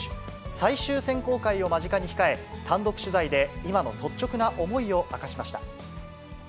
最終選考会を間近に控え、単独取材で今の率直な思いを明かしました。